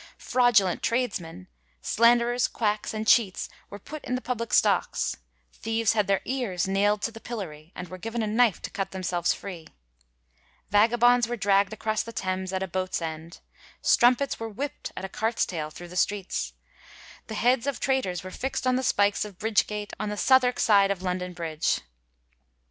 Fraudulent tradesmen, slanderers, quacks and cheats were put in the public stocks ; thieves had their ears naild to the pillory, and were given a knife to cut themselves free; vagabonds were dragd across the Thames at a boat's end ; strum pets were whipt at a cart's tail thru the streets; the heads of traitors were fixt on the spikes of Bridge Gate on the Southwark side of London Bridge.